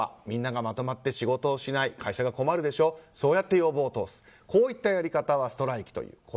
みんながまとまって仕事をしない会社が困るでしょそうやって要望を通すこういったやり方はストライキという。